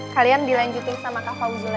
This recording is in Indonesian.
kalian dilanjutin sama kak fauzu aja ya